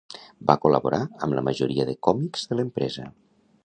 Va col·laborar amb la majoria de còmics de l'empresa.